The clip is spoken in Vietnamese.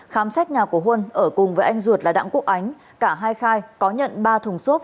khám xét nhà của huân ở cùng với anh ruột là đặng quốc ánh cả hai khai có nhận ba thùng xốp